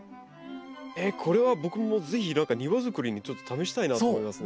えっこれは僕も是非庭づくりにちょっと試したいなと思いますね。